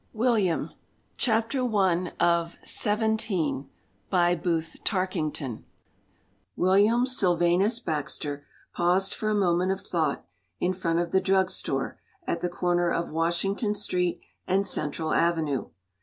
'' XXX. THE BRIDE TO BE SEVENTEEN I WILLIAM William Sylvanus Baxter paused for a moment of thought in front of the drug store at the corner of Washington Street and Central Avenue.